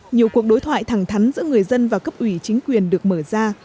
nhiều cuộc đối thoại thẳng thắn giữa người dân và cấp ủy chính quyền được mở ra